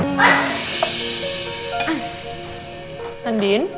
tidak ada apa apa